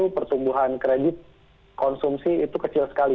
dua puluh satu persumbuhan kredit konsumsi itu kecil sekali